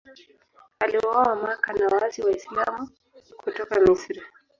Aliuawa Makka na waasi Waislamu kutoka Misri.